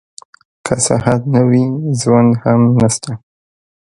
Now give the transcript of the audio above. که صحت نه وي ژوند هم نشته.